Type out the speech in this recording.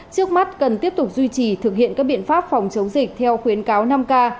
trước mắt cần tiếp tục duy trì thực hiện các biện pháp phòng chống dịch theo khuyến cáo năm k